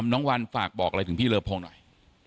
น้องวันฝากบอกอะไรถึงพี่เลอพงหน่อย